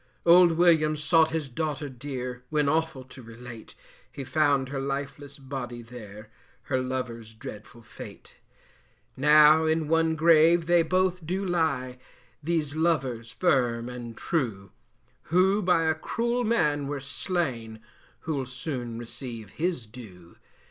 Old Williams sought his daughter dear, When awful to relate, He found her lifeless body there, Her lover's dreadful fate. Now in one grave they both do lie, These lovers firm and true, Who by a cruel man were slain, Who'll soon receive his due.